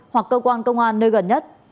hoặc cơ quan công an nơi gần nhất